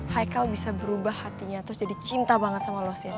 haikel bisa berubah hatinya terus jadi cinta banget sama lo cindy